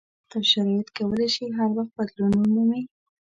وخت او شرایط کولای شي هر وخت بدلون ومومي.